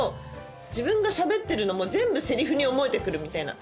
自分がしゃべってるのも全部セリフに思えて来るみたいな。